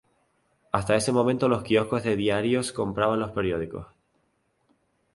Hasta ese momento los kioscos de diarios compraban los periódicos.